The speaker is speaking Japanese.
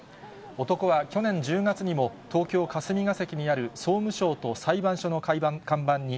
男は去年１０月にも、東京・霞が関にある総務省と裁判所の看板に、